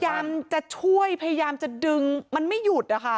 พยายามจะช่วยพยายามจะดึงมันไม่หยุดนะคะ